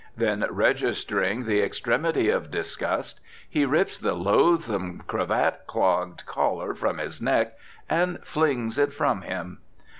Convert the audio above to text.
Then, registering the extremity of disgust, he rips the loathesome, cravat clogged collar from his neck and flings it from him.